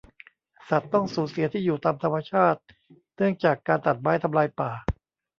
สัตว์ต้องสูญเสียที่อยู่ตามธรรมชาติ เนื่องจากการตัดไม้ทำลายป่า